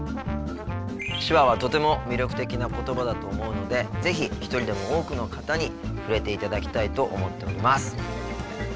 手話はとても魅力的な言葉だと思うので是非一人でも多くの方に触れていただきたいと思っております。